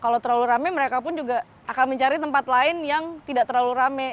kalau terlalu rame mereka pun juga akan mencari tempat lain yang tidak terlalu rame